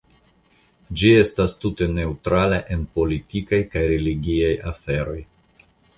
Ĝi estas tute neŭtrala en politikaj kaj religiaj aferoj.